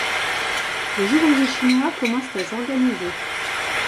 Les ouvriers chinois commencent à s’organiser.